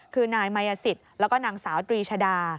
คือนายมายสิทธิ์แล้วก็นางสาวตรีชดา